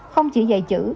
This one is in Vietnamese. không chỉ dạy chữ